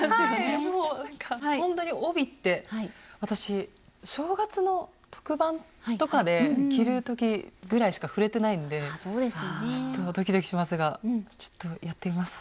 ほんとに帯って私正月の特番とかで着る時ぐらいしか触れてないんでちょっとドキドキしますがちょっとやってみます。